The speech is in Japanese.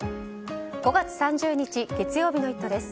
５月３０日、月曜日の「イット！」です。